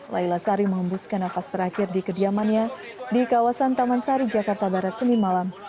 laila sari mengembuskan nafas terakhir di kediamannya di kawasan taman sari jakarta barat senin malam